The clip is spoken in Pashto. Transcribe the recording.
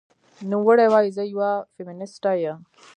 نوموړې وايي، "زه یوه فېمینیسټه یم